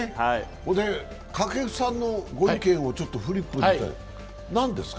掛布さんのご意見をフリップで、これは何ですか？